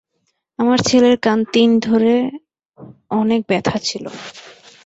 আমার ছেলের কান তিন ধরে অনেক ব্যথা ছিলো।